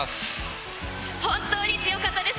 本当に強かったです。